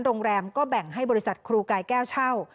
โรงแรมก็แบ่งให้บริษัทครูกายแก้วเช่า